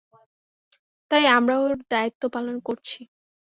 তাই, আমরা ওর দায়িত্ব পালন করছি।